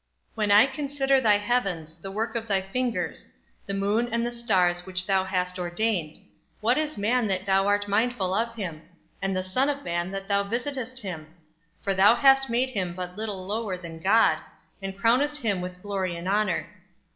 When I consider thy heavens, the work of thy fingers, The moon and the stars which thou hast ordained; What is man, that thou art mindful of him? And the son of man that thou visitest him? For thou hast made him but little lower than God, And crownest him with glory and honor.